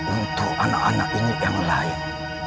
untuk anak anak ini yang lain